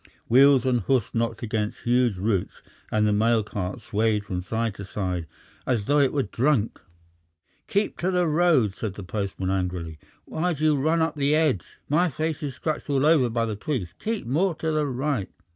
Wheels and hoofs knocked against huge roots, and the mail cart swayed from side to side as though it were drunk. "Keep to the road," said the postman angrily. "Why do you run up the edge? My face is scratched all over by the twigs! Keep more to the right!"